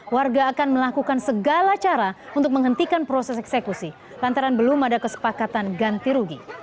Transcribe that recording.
warga akan melakukan segala cara untuk menghentikan proses eksekusi lantaran belum ada kesepakatan ganti rugi